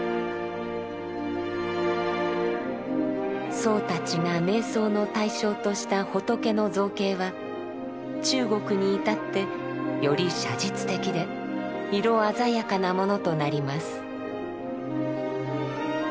僧たちが瞑想の対象とした仏の造形は中国に至ってより写実的で色鮮やかなものとなります。